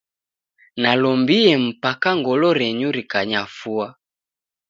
Nalombie mpaka ngolo renyu rikanyafua.